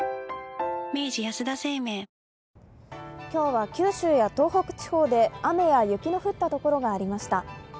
今日は九州や東北地方で雨や雪の降ったところがありました。